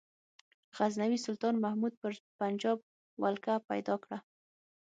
غزنوي سلطان محمود پر پنجاب ولکه پیدا کړه.